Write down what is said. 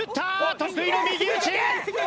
得意の右打ち！